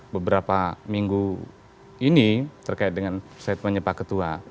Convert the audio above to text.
beberapa minggu ini terkait dengan statementnya pak ketua